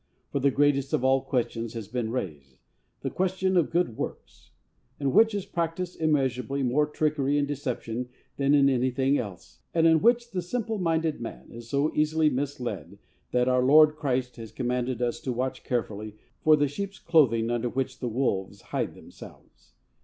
For the greatest of all questions has been raised, the question of Good Works; in which is practised immeasurably more trickery and deception than in anything else, and in which the simpleminded man is so easily misled that our Lord Christ has commanded us to watch carefully for the sheep's clothings under which the wolves hide themselves.